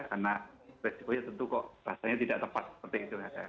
karena resiko tentu kok rasanya tidak tepat seperti itu